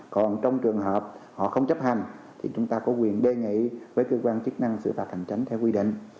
còn trong trường hợp họ không chấp hành thì chúng ta có quyền đề nghị với cơ quan chức năng xử phạt hành chánh theo quy định